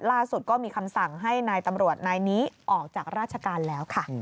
ล่าสุดก็มีคำสั่งให้นายตำรวจนายนี้ออกจากราชการแล้วค่ะ